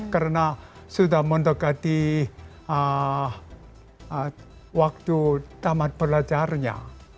mereka mendekati waktu tamat belajarnya